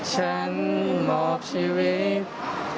ฉันหมอบชีวิต